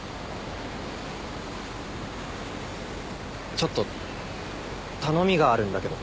ちょっと頼みがあるんだけど。